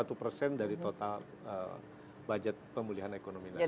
atau dua puluh satu persen dari total budget pemulihan ekonomi nasional